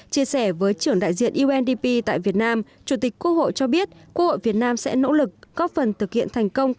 chia sẻ với trưởng đại diện undp tại việt nam chủ tịch quốc hội cho biết quốc hội việt nam sẽ nỗ lực góp phần thực hiện thành công